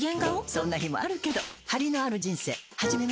そんな日もあるけどハリのある人生始めましょ。